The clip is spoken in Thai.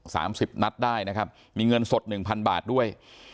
สามสิบนัดได้นะครับมีเงินสดหนึ่งพันบาทด้วย